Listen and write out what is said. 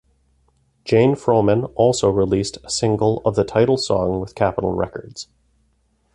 Jane Froman also released a single of the title song with Capital records.